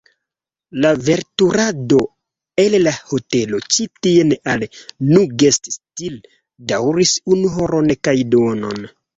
La veturado el la hotelo ĉi tien al "Nugget-tsil" daŭris unu horon kaj duonon.